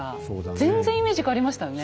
全然イメージ変わりましたよね。